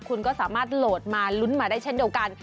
คุณก็สามารถโหลดมาลุ้นมาได้เช่นเดียวกัน